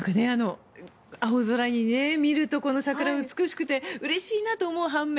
青空に桜、美しくてうれしいなと思う反面